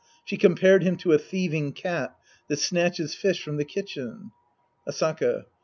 She compared him to a thieving cat that snatches fish from the kitchen. Asaka.